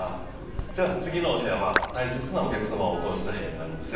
では次のお部屋は大切なお客様をお通しした部屋になるんですよ。